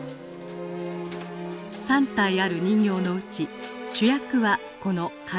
３体ある人形のうち主役はこの唐子人形。